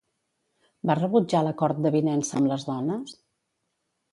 Va rebutjar l'acord d'avinença amb les dones?